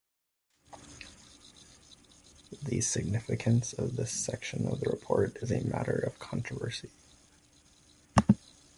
The significance of this section of the report is a matter of controversy.